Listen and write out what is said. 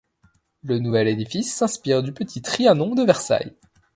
Le nouvel édifice s'inspire du Petit Trianon de Versailles.